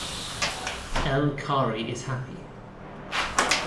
Elle Kari is happy.